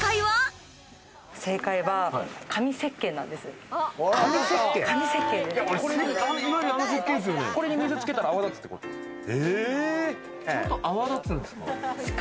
ちゃんと泡立つんですか？